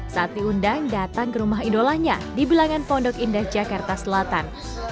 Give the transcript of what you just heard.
saat diundang datang ke rumah idolanya di bilangan pondok indah jakarta selatan